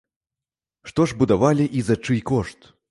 Што ж будавалі і за чый кошт?